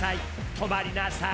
とまりなさい！